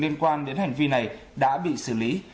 liên quan đến hành vi này đã bị xử lý